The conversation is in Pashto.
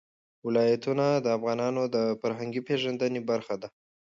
ولایتونه د افغانانو د فرهنګي پیژندنې برخه ده.